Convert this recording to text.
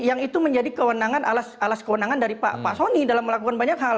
yang itu menjadi kewenangan alas kewenangan dari pak soni dalam melakukan banyak hal